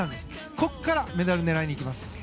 ここからメダルを狙いにいきます。